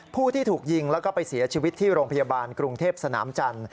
ผู้ที่ถูกยิงแล้วก็ไปเสียชีวิตที่โรงพยาบาลกรุงเทพสนามจันทร์